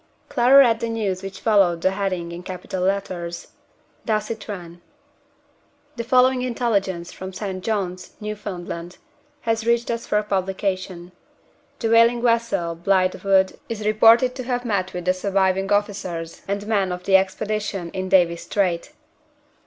Clara read the news which followed the heading in capital letters. Thus it ran: "The following intelligence, from St. Johns, Newfoundland, has reached us for publication. The whaling vessel Blythewood is reported to have met with the surviving officers and men of the Expedition in Davis Strait.